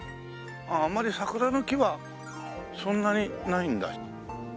あんまり桜の木はそんなにないんだ。